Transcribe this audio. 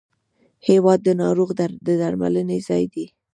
هېواد د ناروغ د درملنې ځای دی.